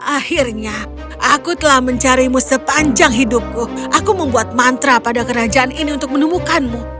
akhirnya aku telah mencarimu sepanjang hidupku aku membuat mantra pada kerajaan ini untuk menemukanmu